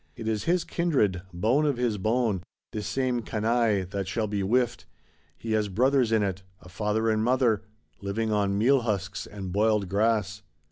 It is his kindred, bone of his bone, this same canaille that shall be whiffed; he has brothers in it, a father and mother,—living on meal husks and boiled grass.